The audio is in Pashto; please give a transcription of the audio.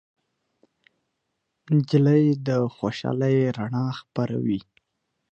نجلۍ د خوشالۍ رڼا خپروي.